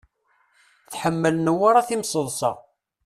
Tḥemmel Newwara timseḍṣa.